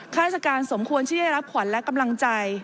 ราชการสมควรที่ได้รับขวัญและกำลังใจ